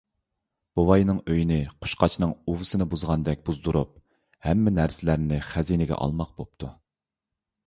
بوۋاينىڭ ئۆيىنى قۇشقاچنىڭ ئۇۋىسىنى بۇزغاندەك بۇزدۇرۇپ، ھەممە نەرسىلەرنى خەزىنىگە ئالماق بوپتۇ.